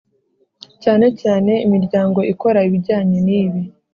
Cyane cyane imiryango ikora ibinjyanye n ibi